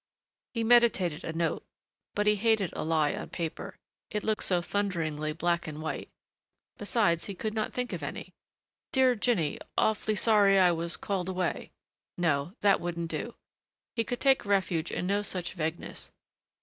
He meditated a note but he hated a lie on paper. It looked so thunderingly black and white. Besides, he could not think of any. "Dear Jinny Awfully sorry I was called away." No, that wouldn't do. He could take refuge in no such vagueness.